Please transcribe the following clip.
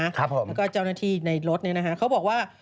แล้วก็เจ้าหน้าที่ในรถเขาบอกว่า